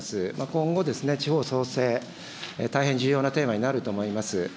今後、地方創生、大変重要なテーマになると思います。